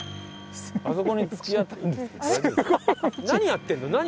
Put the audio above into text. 何やってるの？